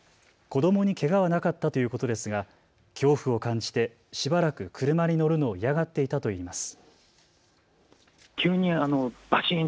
子どもにけがはなかったということですが恐怖を感じてしばらく車に乗るのを嫌がっていたといいます。